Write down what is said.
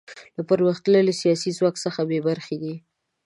له پرمختللي سیاسي ځواک څخه بې برخې دي.